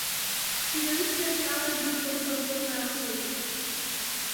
Civilisté stále žijí pod hrozbou násilí.